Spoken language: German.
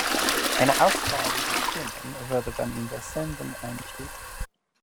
Eine Auswahl dieser Stimmen wurde dann in der Sendung eingespielt.